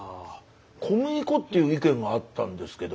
小麦粉っていう意見があったんですけど。